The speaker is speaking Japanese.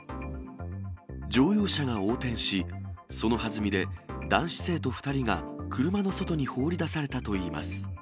乗用車が横転し、その弾みで男子生徒２人が車の外に放り出されたといいます。